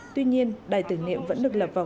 tuy nhiên đài tưởng niệm vẫn được lập vào